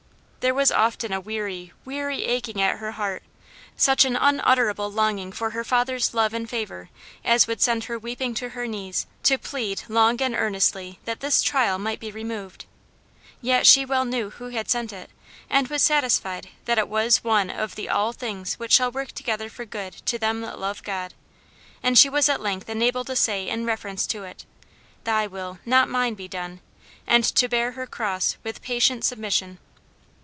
There was often a weary, weary aching at her heart such an unutterable longing for her father's love and favor as would send her weeping to her knees to plead long and earnestly that this trial might be removed; yet she well knew who had sent it, and was satisfied that it was one of the "all things which shall work together for good to them that love God," and she was at length enabled to say in reference to it: "Thy will, not mine, be done," and to bear her cross with patient submission.